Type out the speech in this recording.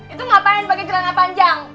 itu ngapain pakai celana panjang